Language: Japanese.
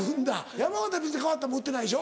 山形別に変わったもん売ってないでしょ？